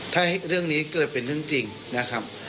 ถ้าเรื่องนี้เกิดเป็นเรื่องจริงนะครับ